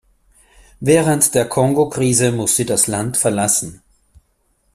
Während der Kongo-Krise muss sie das Land verlassen.